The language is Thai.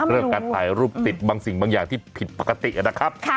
เรื่องการถ่ายรูปติดบางสิ่งบางอย่างที่ผิดปกตินะครับ